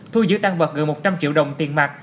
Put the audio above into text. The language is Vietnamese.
thu giữ tăng vật gần một trăm linh triệu đồng tiền mặt